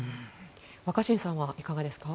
若新さんはいかがですか？